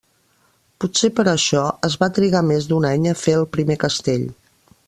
Potser per això, es va trigar més d'un any a fer el primer castell.